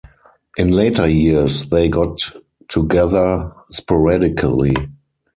In later years they got together sporadically.